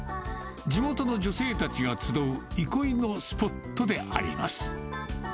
地元の女性たちが集う憩いのスポットであります。